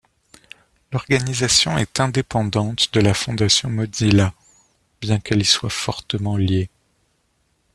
L'organisation est indépendante de la Fondation Mozilla bien qu'elle y soit fortement liée.